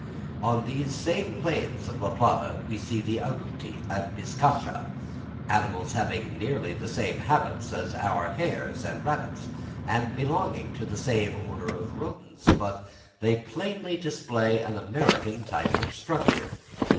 On these same plains of La Plata we see the agouti and bizcacha, animals having nearly the same habits as our hares and rabbits, and belonging to the same order of Rodents, but they plainly display an American type of structure.